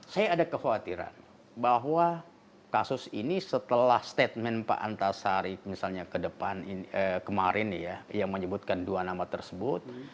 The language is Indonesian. saya ada kekhawatiran bahwa kasus ini setelah statement pak antasari misalnya ke depan kemarin ya yang menyebutkan dua nama tersebut